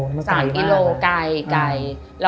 ๓กิโลไก่ไก่